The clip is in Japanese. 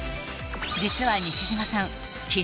実は西島さん